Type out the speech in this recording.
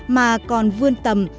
mà còn vươn tầm